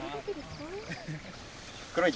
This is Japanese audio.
黒い